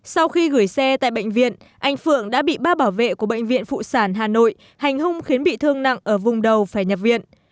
sau khi gửi xe tại bệnh viện anh phượng đã bị ba bảo vệ của bệnh viện phụ sản hà nội hành hung khiến bị thương nặng ở vùng đầu phải nhập viện